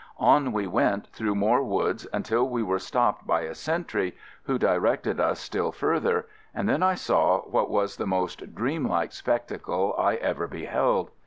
On we went through more woods until we were stopped by a sentry, who directed us still further, and then I saw what was the most dream like spectacle I ever beheld.